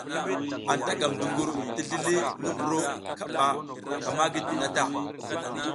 Anta gam duƞgur ti zlili ngi mburo kaɓa ka ma gidi na ta.